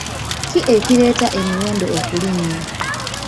Ki ekireetera emiwendo okulinnya?